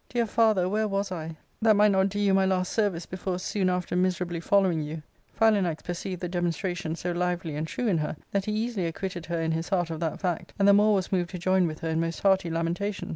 Dear father, where was I, that might not do you my last service before soon after miserably following you ?" Philanax perceived the demonstration so lively and true in her that he easily acquitted her in his heart of that fact, and the more was naoved to join with her in most hearty lamentation.